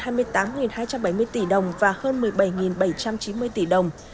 tăng lượt hai mươi tám lên gần hai mươi tám hai trăm bảy mươi tỷ đồng và hơn một mươi bảy bảy trăm chín mươi tỷ đồng